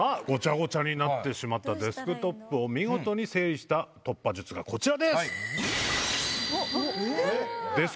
ごちゃごちゃになってしまったデスクトップを見事に整理した突破術がこちらです。